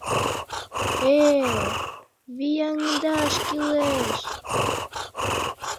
Э-э, вияҥдаш кӱлеш...